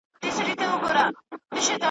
یوه زرکه یې له لیري وه لیدلې ,